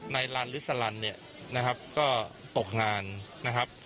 ในรันหรือสรรรรรรนี่นะครับก็ตกงานนะครับ